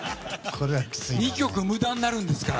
２曲むだになるんですから。